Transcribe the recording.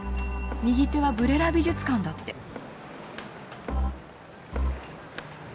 右手はブレラ美術館だって。